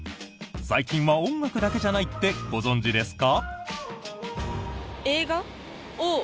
最近は、音楽だけじゃないってご存じですか？